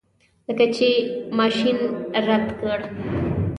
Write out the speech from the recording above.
لکه چې ماشین رد کړ.